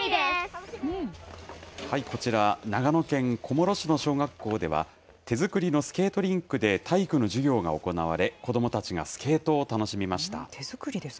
こちら、長野県小諸市の小学校では、手作りのスケートリンクで体育の授業が行われ、子どもたちがスケートを楽しみました。